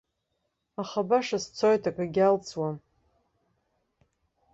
Аха баша сцоит, акгьы алҵуам!